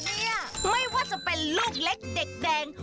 เนี่ยไม่ว่าจะเป็นลูกเล็กเด็กแดง